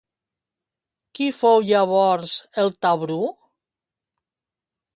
Qui fou llavors el Tabru?